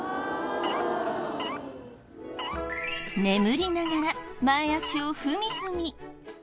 眠りながら前足をふみふみ。